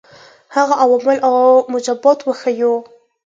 هغه عوامل او موجبات وښيیو.